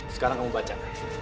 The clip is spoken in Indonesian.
sekarang kamu baca